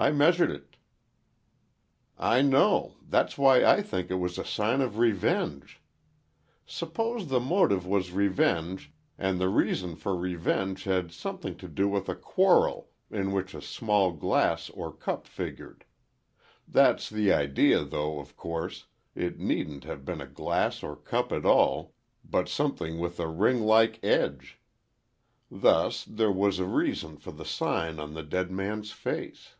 I measured it." "I know; that's why I think it was a sign of revenge. Suppose the motive was revenge and the reason for revenge had something to do with a quarrel in which a small glass or cup figured. That's the idea, though, of course, it needn't have been a glass or cup at all, but something with a ring like edge. Thus, there was a reason for the sign on the dead man's face."